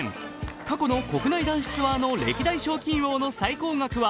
過去の国内男子ツアーの歴代賞金王の最高額は